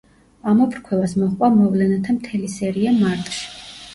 ამოფრქვევას მოჰყვა მოვლენათა მთელი სერია მარტში.